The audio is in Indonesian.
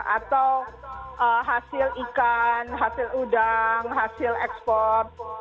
atau hasil ikan hasil udang hasil ekspor